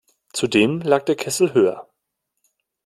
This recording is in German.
Zudem lag der Kessel höher.